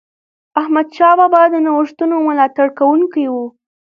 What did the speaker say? احمدشاه بابا د نوښتونو ملاتړ کوونکی و.